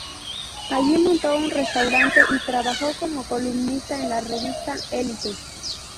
Allí montó un restaurante y trabajó como columnista en la revista "Élite".